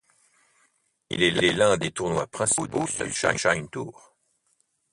Il est l'un des tournois principaux du Sunshine Tour.